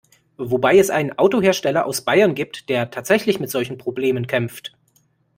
Wobei es einen Autohersteller aus Bayern gibt, der tatsächlich mit solchen Problemen kämpft.